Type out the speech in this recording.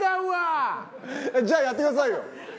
じゃあやってくださいよ。